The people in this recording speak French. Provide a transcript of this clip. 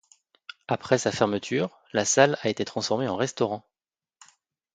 Après sa fermeture, la salle a été transformée en restaurant.